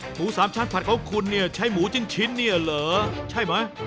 หมูสามชั้นผัดของคุณเนี่ยใช้หมูจิ้นชิ้นเนี่ยเหรอใช่ไหม